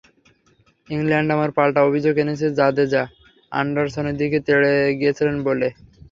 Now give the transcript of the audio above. England আবার পাল্টা অভিযোগ এনেছে জাদেজা অ্যান্ডারসনের দিকে তেড়ে গিয়েছিলেন বলে।